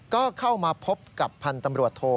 ก็เข้ามาพบกับพันธ์ตำรวจโท